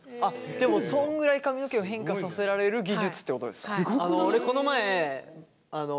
でもそんぐらい髪の毛を変化させられる技術ってことですか？